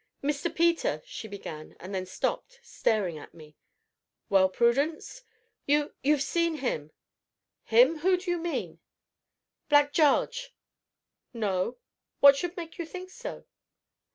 "Mr. Peter " she began, and then stopped, staring at me. "Well, Prudence?" "You you've seen him!" "Him whom do you mean?" "Black Jarge!" "No; what should make you think so?"